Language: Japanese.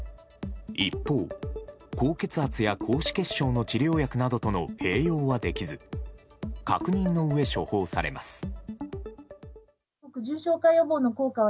一方、高血圧や高脂血症の治療薬などとの併用はできず確認のうえ処方されます。